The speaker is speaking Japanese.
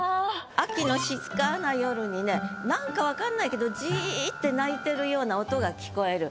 秋の静かな夜にね何か分かんないけどジって鳴いてるような音が聞こえる。